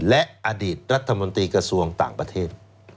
และอดีตรัฐมนตรีกระทรวงต่างประเทศ